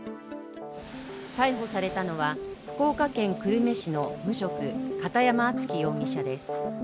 逮捕されたのは、福岡県久留米市の無職、片山敦稀容疑者です。